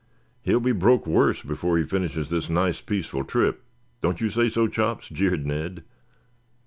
"He'll be broke worse before he finishes this nice peaceful trip. Don't you say so, Chops?" jeered Ned.